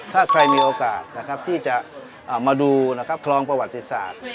ถ้าใครมีโอกาสที่จะมาดูนะครับคลองประวัติศาสตร์